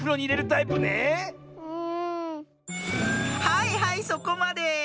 はいはいそこまで！